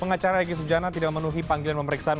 pengacara egy sujana tidak memenuhi panggilan pemeriksaan